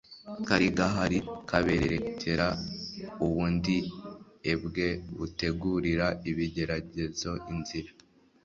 kari gahari kabererekera ubundiebwe butegurira ibigeragezo inzira.